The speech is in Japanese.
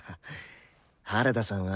原田さんは。